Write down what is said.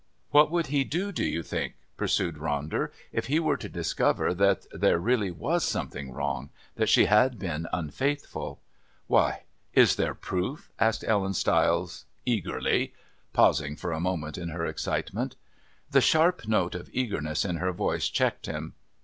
"What would he do, do you think," pursued Ronder, "if he were to discover that there really was something wrong, that she had been unfaithful?" "Why, is there proof?" asked Ellen Stiles, eagerly, pausing for a moment in her excitement. The sharp note of eagerness in her voice checked him.